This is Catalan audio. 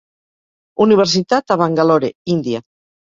Universitat a Bangalore, Índia.